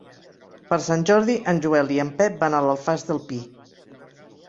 Per Sant Jordi en Joel i en Pep van a l'Alfàs del Pi.